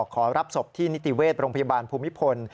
ขอรับศพที่นิติเวชโรงพยาบาลภูมิพล